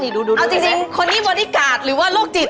นี่ดูดูดูเอาจริงจริงคนที่บริการ์ดหรือว่าโรคจิต